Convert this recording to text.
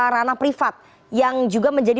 ranah privat yang juga menjadi